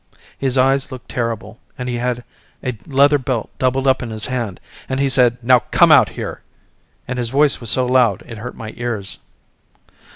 His eyes looked terrible and he had a leather belt doubled up in his hand and he said now come out here and his voice was so loud it hurt my ears.